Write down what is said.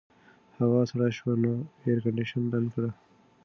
هوا سړه شوه نو اېرکنډیشن بند کړه.